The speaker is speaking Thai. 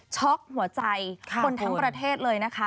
ช็อกหัวใจคนทั้งประเทศเลยนะคะ